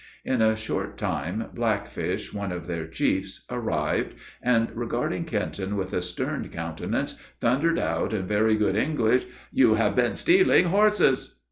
In a short time, Blackfish, one of their chiefs, arrived, and regarding Kenton with a stern countenance, thundered out in very good English: "You have been stealing horses?"